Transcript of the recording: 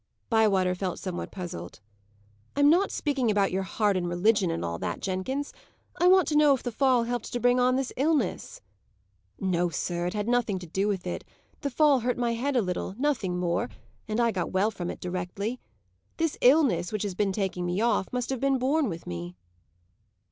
Bywater felt somewhat puzzled. "I am not speaking about your heart and religion, and all that, Jenkins. I want to know if the fall helped to bring on this illness?" "No, sir; it had nothing to do with it. The fall hurt my head a little nothing more; and I got well from it directly. This illness, which has been taking me off, must have been born with me."